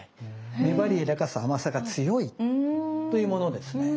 粘りやわらかさ甘さが強いというものですね。